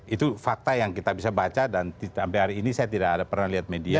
itu fakta yang kita bisa baca dan sampai hari ini saya tidak pernah lihat media